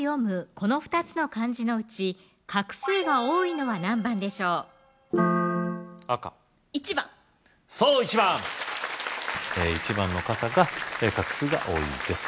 この２つの漢字のうち画数が多いのは何番でしょう赤１番そう１番１番の「傘」が画数が多いです